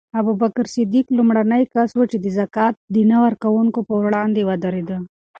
ابوبکر صدیق لومړنی کس و چې د زکات د نه ورکوونکو پر وړاندې ودرېد.